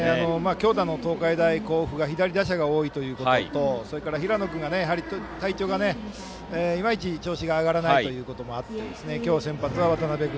強打の東海大甲府が左打者が多いということとそれから平野君の体調がいまいち調子が上がらないということもあって今日、先発は渡邉君。